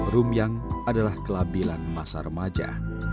rumyang adalah kelabilan masa remaja